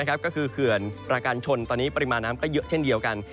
ก็คือเขื่อนประการชนตอนนี้ปริมาณน้ำก็เยอะเช่นเดียวกัน